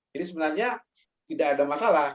jadi sebenarnya tidak ada masalah